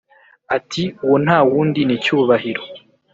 ati"uwo ntawundi ni cyubahiro